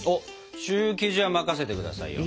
シュー生地は任せて下さいよ。